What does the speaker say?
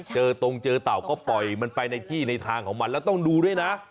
เจอตรงเจอเต่าก็ปล่อยมันไปในที่ในทางของมันแล้วต้องดูด้วยนะ